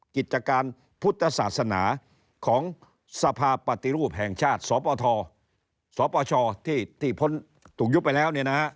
กิจการพุทธศาสนาของสภาปฏิรูปแห่งชาติสปทสปชที่พ้นถูกยุบไปแล้ว